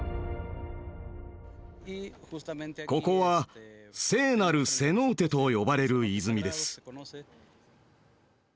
ここは聖なるセノーテと呼ばれる泉です。